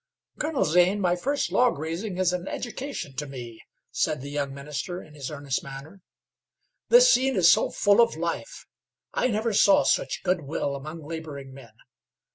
"Colonel Zane, my first log raising is an education to me," said the young minister, in his earnest manner. "This scene is so full of life. I never saw such goodwill among laboring men.